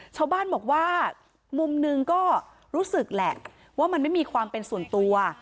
ชาวบ้านบอกว่ามุมหนึ่งก็รู้สึกแหละว่ามันไม่มีความเป็นส่วนตัว